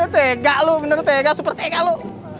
tega lo bener tega super tega lo